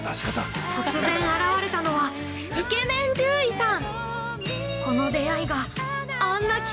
◆突然現れたのはイケメン獣医さん。